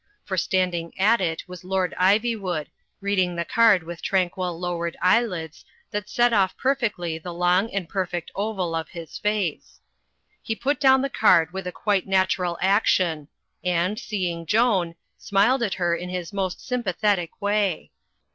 For standing at it was Lord Ivywood, reading the card with tranquil lowered eye lids, that set off perfectly the long and perfect oval of his face. He put down the card with a quite natural action; and, seeing Joan, smiled at her in his most sympathetic way.